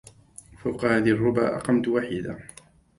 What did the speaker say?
فوق هذي الربا أقمت وحيدا